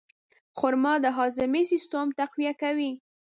خرما د هاضمې سیستم تقویه کوي.